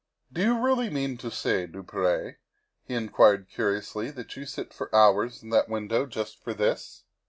" Do you really mean to say, du Pre," he inquired curiously, " that you sit for hours in that window just for this?"